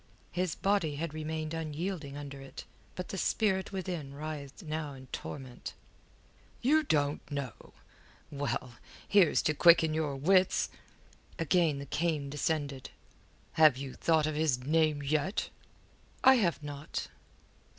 His body had remained unyielding under it, but the spirit within writhed now in torment. "You don't know? Well, here's to quicken your wits." Again the cane descended. "Have you thought of his name yet?" "I have not."